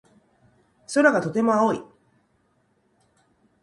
空がとても青い。